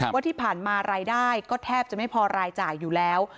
ว่าที่ผ่านมารายได้ก็แทบจะไม่พอรายจ่ายอยู่แล้ว